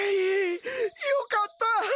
よかった！